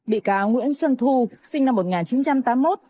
bị cáo nguyễn xuân thu sinh năm một nghìn chín trăm tám mươi một